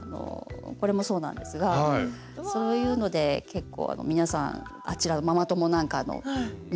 これもそうなんですがそういうので結構皆さんあちらのママ友なんかに気に入って頂いてはい。